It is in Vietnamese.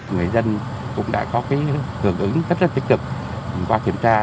người dân cũng đã có hưởng ứng rất là tích cực qua kiểm tra